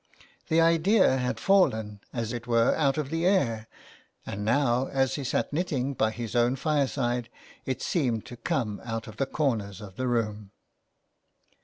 The idea had fallen as it were out of the air, and now as he sat knitting by his own fire side it seemed to come out of the corners of the room.